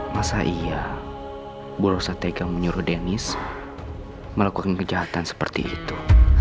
masa iya burosa tegang menyuruh dennis melakukan kejahatan seperti itu